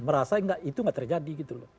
merasa itu nggak terjadi gitu loh